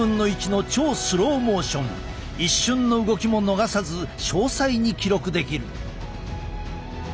一瞬の動きも逃さず詳細に記録できる。